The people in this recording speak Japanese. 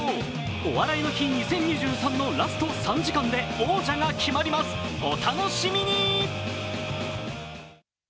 「お笑いの日２０２３」のラスト３時間で王者が決まります、お楽しみに。